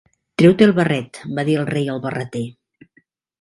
"Treu-te el barret", va dir el Rei al Barreter.